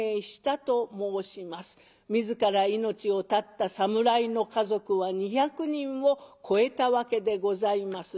自ら命を絶った侍の家族は２００人を超えたわけでございます。